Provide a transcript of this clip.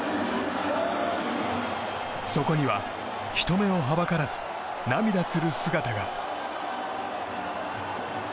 そこには人目をはばからず涙する姿が。